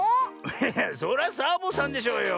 そりゃサボさんでしょうよ。